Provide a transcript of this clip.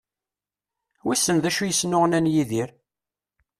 Wissen d acu i yesnuɣnan Yidir?